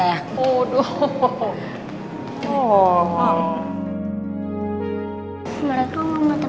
mereka mau temenan sama aku